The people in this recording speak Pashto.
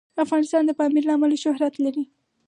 افغانستان د پامیر له امله شهرت لري.